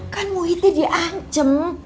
kan muhin dia diancem